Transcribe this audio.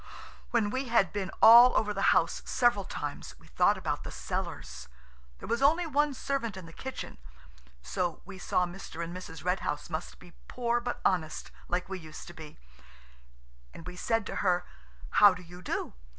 When we had been all over the house several times, we thought about the cellars. There was only one servant in the kitchen (so we saw Mr. and Mrs. Red House must be poor but honest, like we used to be), and we said to her– "How do you do?